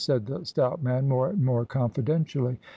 said the stout man, more and more confidentially.